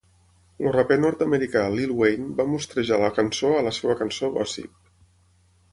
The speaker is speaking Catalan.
El raper nord-americà Lil Wayne va mostrejar la cançó a la seva cançó Gossip.